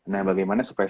nah bagaimana supaya